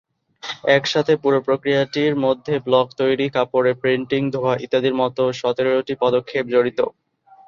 একসাথে পুরো প্রক্রিয়াটির মধ্যে ব্লক তৈরি, কাপড়ে প্রিন্টিং, ধোয়া ইত্যাদির মতো সতেরোটি পদক্ষেপ জড়িত।